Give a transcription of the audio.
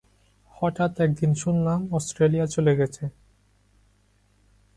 হঠাৎ একদিন শুনলাম অস্ট্রেলিয়া চলে গেছে।